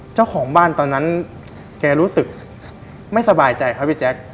เจ้าของบ้านตอนนั้นแกรู้สึกไม่สบายใจครับพี่แจ๊ค